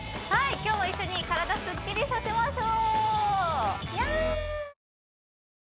今日も一緒に体すっきりさせましょう！